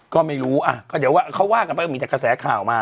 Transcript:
ก็ไม่รู้อ่ะก็เดี๋ยวเขาว่ากันไปก็มีแต่กระแสข่าวมา